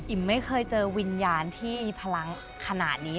ไม่เคยเจอวิญญาณที่มีพลังขนาดนี้